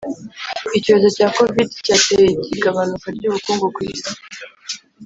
icyorezo cya covid cyateye igabanuka ryubukungu kwisi